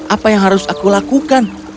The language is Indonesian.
apa yang harus aku lakukan